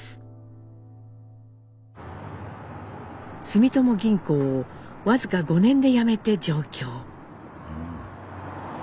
住友銀行を僅か５年で辞めて上京。